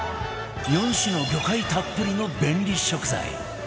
４種の魚介たっぷりの便利食材